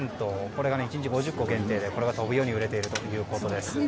これが、１日５０個限定で飛ぶように売れているそうです。